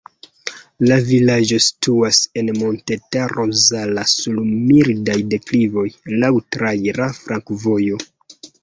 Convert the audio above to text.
La vilaĝo situas en Montetaro Zala sur mildaj deklivoj, laŭ traira flankovojo.